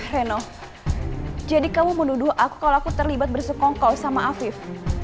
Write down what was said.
reno jadi kamu menduduh aku kalau aku terlibat bersukong kau sama afif